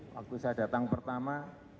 waktu saya datang pertama